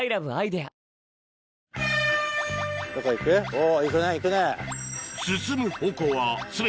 お行くね行くね。